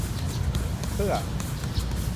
เสื้อ